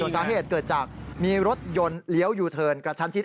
สาเหตุเกิดจากมีรถยนต์เลี้ยวยูเทิร์นกระชั้นชิด